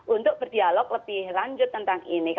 untuk berdialog lebih lanjut tentang ini